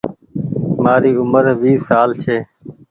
مآري اومر ويس سال ڇي۔